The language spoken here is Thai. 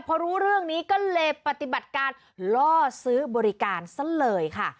พอรู้เรื่องนี้ก็เลยปฏิบัติการล่อซื้อบริการซะเลยค่ะ